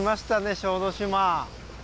小豆島。